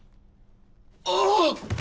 ああっ！